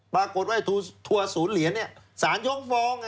ปรากฏว่าทัวร์ศูนย์เหรียญสารยกฟ้อง